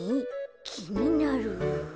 きになる。